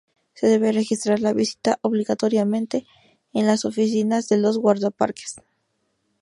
Se debe registrar la visita obligatoriamente en las Oficinas de los Guardaparques.